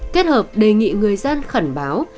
kết hợp đề nghị người dân khẩn báo